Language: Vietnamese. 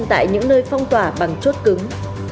tại những nơi phong tỏa bằng chốt cứng